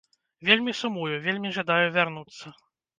Вельмі сумую, вельмі жадаю вярнуцца!